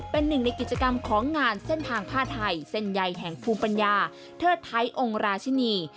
เป็นหนึ่งในกิจกรรมของงานเส้นทางผ้าไทยเส้นใยแห่งภูมิปัญญาเทิดไทยองค์ราชินี